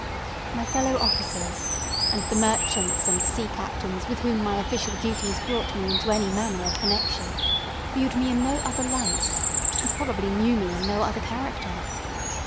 My fellow officers, and the merchants and sea captains with whom my official duties brought me into any manner of connection, viewed me in no other light, and probably knew me in no other character.